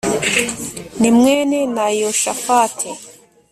ni mwene na Yoshafati